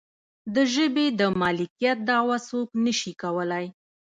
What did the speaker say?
د ژبې د مالکیت دعوه څوک نشي کولی.